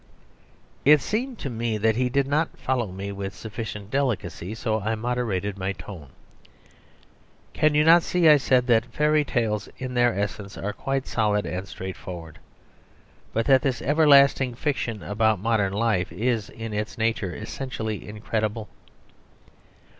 '"..... It seemed to me that he did not follow me with sufficient delicacy, so I moderated my tone. "Can you not see," I said, "that fairy tales in their essence are quite solid and straightforward; but that this everlasting fiction about modern life is in its nature essentially incredible?